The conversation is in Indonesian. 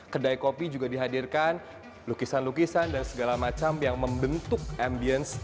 kedai kopi juga dihadirkan lukisan lukisan dan segala macam yang membentuk ambience